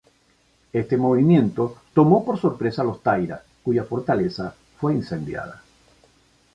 Este movimiento tomó por sorpresa a los Taira, cuya fortaleza fue incendiada.